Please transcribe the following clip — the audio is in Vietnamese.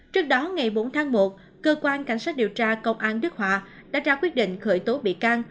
trước đó ngày bốn tháng một cơ quan cảnh sát điều tra công an đức hòa đã ra quyết định khởi tố bị can